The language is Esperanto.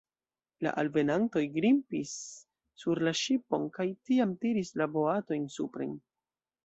La alvenantoj grimpis sur la ŝipon kaj tiam tiris la boatojn supren.